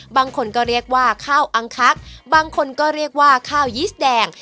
บางคนก็เรียกว่าข้าวอังคักบางคนก็เรียกว่าข้าวยีสแดง